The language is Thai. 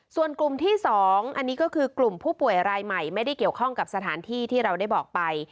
ส่วนกลุ่มที่๒อันนี้ก็คือกลุ่มผู้ป่วยรายใหม่ไม่ได้เกี่ยวข้องกับสถานที่ที่เราได้บอกไป